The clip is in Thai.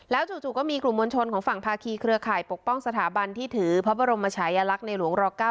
จู่ก็มีกลุ่มมวลชนของฝั่งภาคีเครือข่ายปกป้องสถาบันที่ถือพระบรมชายลักษณ์ในหลวงร๙